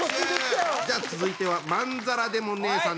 じゃあ続いてはまんざらでもねぇさんです。